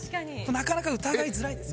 なかなか疑いづらいです。